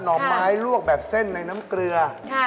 ่อไม้ลวกแบบเส้นในน้ำเกลือ